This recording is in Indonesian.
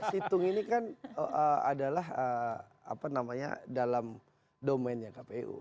situng ini kan adalah dalam domainnya kpu